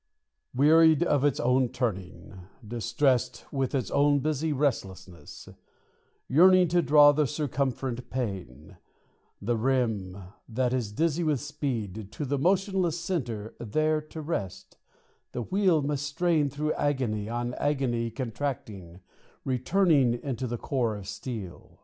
Wearied of its own turning, Distressed with its own busy restlessness, Yearning to draw the circumferent pain The rim that is dizzy with speed To the motionless centre, there to rest, The wheel must strain through agony On agony contracting, returning Into the core of steel.